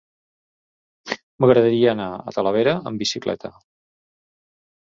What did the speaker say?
M'agradaria anar a Talavera amb bicicleta.